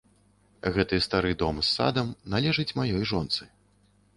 Гэты стары дом з садам належыць маёй жонцы.